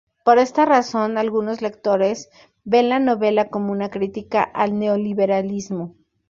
Por esta razón, algunos lectores ven la novela como una crítica al neoliberalismo.